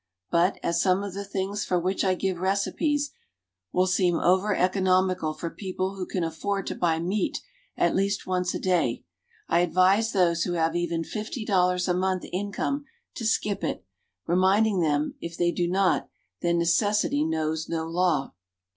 But, as some of the things for which I give recipes will seem over economical for people who can afford to buy meat at least once a day, I advise those who have even fifty dollars a month income to skip it; reminding them, if they do not, "that necessity knows no law."